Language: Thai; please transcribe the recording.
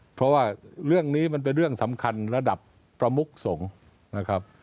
เพราะว่าเรื่องนี้มันเป็นเรื่องสำคัญระดับประมุกสงฆ์นะครับ